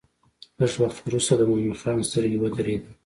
لږ وخت وروسته د مومن خان سترګې ودرېدې.